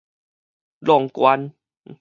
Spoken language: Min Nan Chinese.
挵關